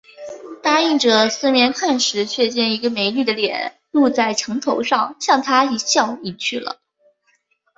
答应着，四面看时，却见一个美女的脸露在墙头上，向他一笑，隐去了